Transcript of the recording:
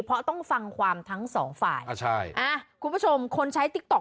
เพราะต้องฟังความทั้งสองฝ่ายอ่าใช่อ่าคุณผู้ชมคนใช้ติ๊กต๊อ